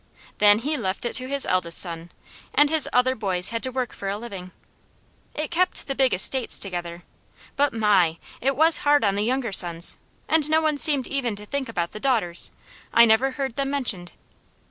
Then he left it to his eldest son, and his other boys had to work for a living. It kept the big estates together; but my! it was hard on the younger sons, and no one seemed even to think about the daughters. I never heard them mentioned.